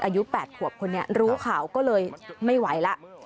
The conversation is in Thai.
อายุ๘ขวบคนนี้รู้ข่าวก็เลยไม่ไหวแล้ว